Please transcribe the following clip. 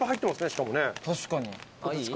しかもね。